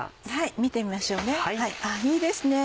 見てみましょうあいいですね。